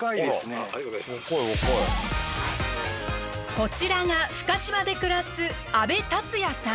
こちらが深島で暮らす安部達也さん。